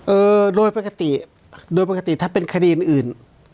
เออโดยปกติโดยปกติถ้าเป็นคดีอื่นอื่น